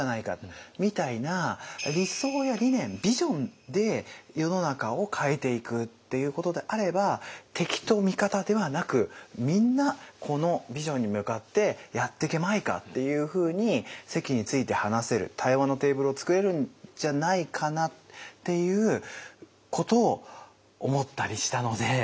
みたいな理想や理念ビジョンで世の中を変えていくっていうことであれば敵と味方ではなくみんなこのビジョンに向かってやってけまいかっていうふうに席について話せる対話のテーブルを作れるんじゃないかなっていうことを思ったりしたので。